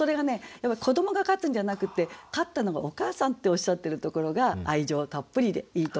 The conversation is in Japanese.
やっぱり子どもが勝つんじゃなくて勝ったのがお母さんっておっしゃってるところが愛情たっぷりでいいと思いました。